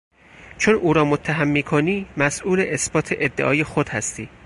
چون او را متهم میکنی مسئول اثبات ادعای خود هستی.